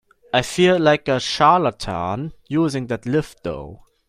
I feel like a charlatan using that lift though.